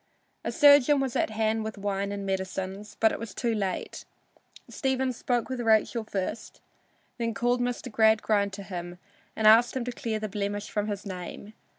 A surgeon was at hand with wine and medicines, but it was too late. Stephen spoke with Rachel first, then called Mr. Gradgrind to him and asked him to clear the blemish from his name.